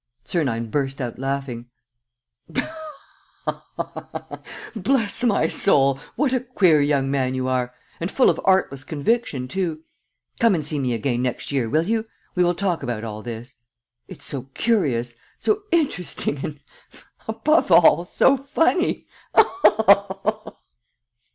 Sernine burst out laughing: "Bless my soul, what a queer young man you are! And full of artless conviction, too! Come and see me again next year, will you? We will talk about all this ... it's so curious, so interesting ... and, above all, so funny! ... Ha, ha, ha, ha!"